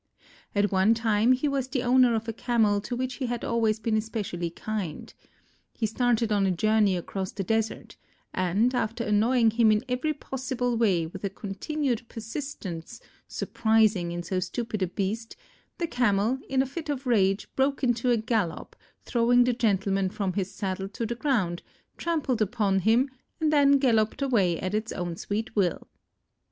At one time he was the owner of a Camel to which he had always been especially kind. He started on a journey across the desert, and after annoying him in every possible way with a continued persistence surprising in so stupid a beast, the Camel, in a fit of rage, broke into a gallop, throwing the gentleman from his saddle to the ground, trampled upon him and then galloped away at its own sweet will.